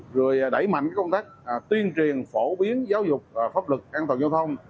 rồi đẩy mạnh công tác tuyên truyền phổ biến giáo dục pháp lực an toàn giao thông